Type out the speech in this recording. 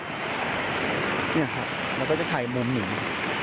นี่ครับแล้วก็จะถ่ายมุมหนึ่ง